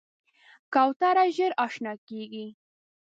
کوتره ژر اشنا کېږي.